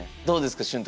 どうですか？